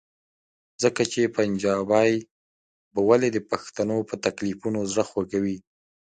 ځکه چې پنجابی به ولې د پښتنو په تکلیفونو زړه خوږوي؟